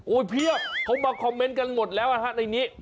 โอ้ยเพียบเขามาคอมเมนต์กันหมดแล้วในนี้